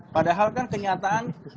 padahal kan kenyataannya